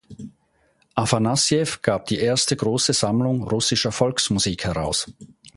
Afanassjew gab die erste große Sammlung russischer Volksmusik heraus.